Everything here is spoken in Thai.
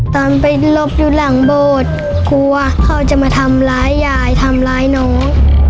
ตอนไปหลบอยู่หลังโบสถ์กลัวเขาจะมาทำร้ายยายทำร้ายน้อง